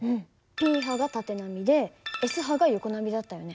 Ｐ波が縦波でＳ波が横波だったよね。